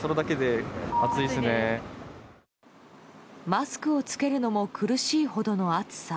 マスクを着けるのも苦しいほどの暑さ。